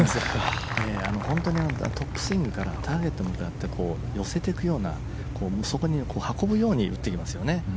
本当にトップスイングからターゲットに向かって寄せていくようなそこに運ぶように打っていきますよね。